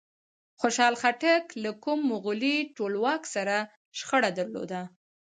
خوشحال خټک له کوم مغولي ټولواک سره شخړه درلوده؟